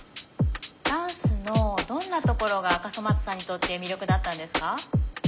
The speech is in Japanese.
「ダンスのどんなところが笠松さんにとって魅力だったんですか？」。